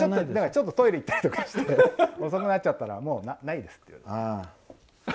ちょっとトイレ行ったりして遅くなっちゃったらもうないですって。